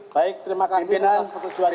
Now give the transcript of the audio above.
baik terima kasih atas pertujuannya